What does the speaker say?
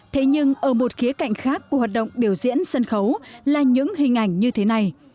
thế nhưng ở một khía cạnh khác của hoạt động biểu diễn sân khấu là những hình ảnh như thế này